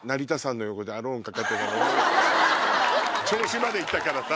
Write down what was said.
銚子まで行ったからさ。